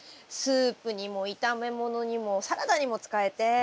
スープにも炒め物にもサラダにも使えて。